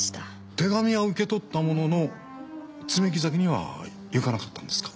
手紙は受け取ったものの爪木崎には行かなかったんですか？